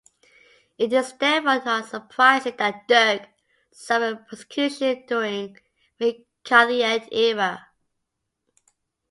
It is therefore not surprising that Dirk suffered persecution during the McCarthyite era.